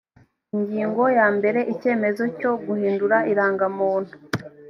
ingingo ya mbere icyemezo cyo guhindura irangamuntu